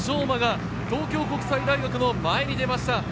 馬が東京国際大学の前に出ました。